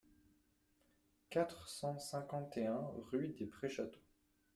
quatre cent cinquante et un rue des Prés Château